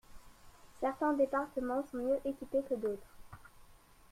Certains départements sont mieux équipés que d’autres.